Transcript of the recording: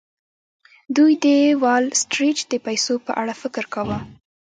دوی د وال سټریټ د پیسو په اړه فکر کاوه